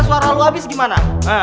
suara lu abis gimana